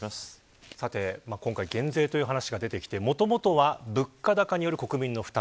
今回、減税という話が出てきてもともとは物価高による国民の負担